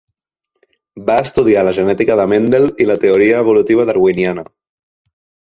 Va estudiar la genètica de Mendel i la teoria evolutiva darwiniana.